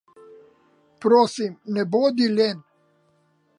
Prosim, ne bodi len.